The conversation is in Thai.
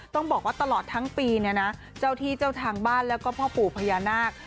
ต้องบอกว่าตลอดทั้งปีเนี่ยนะเจ้าที่เจ้าทางบ้านแล้วก็พ่อปู่พญานาค